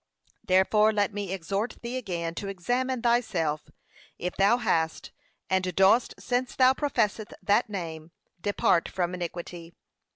Therefore let me exhort thee again to examine thyself, if thou hast, and dost since thou professest that name depart from iniquity.